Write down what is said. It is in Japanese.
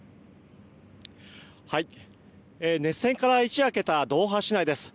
熱戦から一夜明けたドーハ市内です。